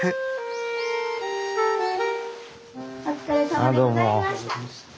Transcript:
ああどうも。